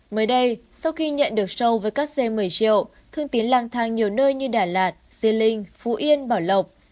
mới đây sau khi nhận được sâu với các xe một mươi triệu thương tiến lang thang nhiều nơi như đà lạt diên linh phú yên bảo lộc